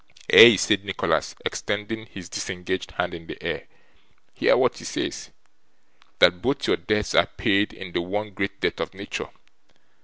'Ay!' said Nicholas, extending his disengaged hand in the air, 'hear what he says. That both your debts are paid in the one great debt of nature.